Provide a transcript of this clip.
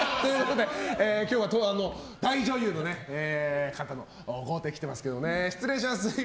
今日は大女優の方の豪邸に来てますけどね失礼します。